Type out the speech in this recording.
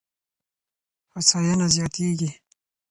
هوساينه زياتېږي.